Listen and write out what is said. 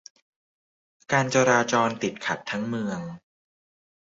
การจราจรติดขัดทั้งเมือง